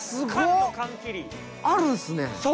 あるんですね。